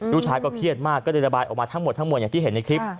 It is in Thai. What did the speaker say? ลูกชายก็เครียดมากก็เลยระบายออกมาทั้งหมดทั้งหมดอย่างที่เห็นในคลิป